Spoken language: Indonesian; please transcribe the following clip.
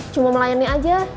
cuma melayani aja